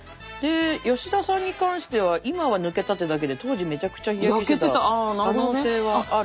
吉田さんに関しては今は抜けたってだけで当時めちゃくちゃ日焼けしてた可能性はある。